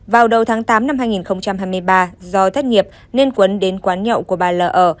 vào đầu tháng tám năm hai nghìn hai mươi ba do thất nghiệp nên quấn đến quán nhậu của bà l ở